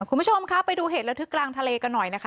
คุณผู้ชมคะไปดูเหตุระทึกกลางทะเลกันหน่อยนะคะ